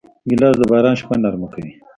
ګیلاس د باران شپه نرمه کوي.